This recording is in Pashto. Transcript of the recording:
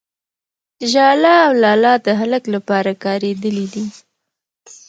، ژاله او لاله د هلک لپاره کارېدلي دي.